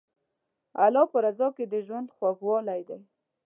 د الله په رضا کې د ژوند خوږوالی دی.